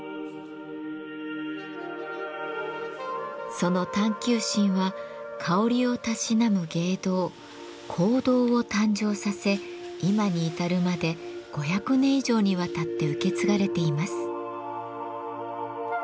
その探究心は香りをたしなむ芸道「香道」を誕生させ今に至るまで５００年以上にわたって受け継がれています。